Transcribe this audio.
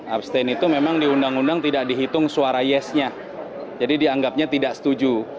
abstain itu memang di undang undang tidak dihitung suara yes nya jadi dianggapnya tidak setuju